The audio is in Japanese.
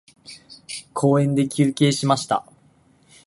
公園で休憩しました。